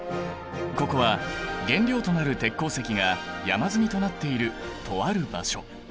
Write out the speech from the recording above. ここは原料となる鉄鉱石が山積みとなっているとある場所。